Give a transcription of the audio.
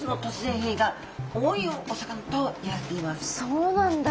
そうなんだ。